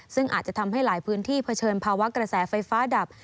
ซึ่งอาจจะทำให้หลายพื้นที่เผชิญภาวะกระแสไฟฟ้าดับ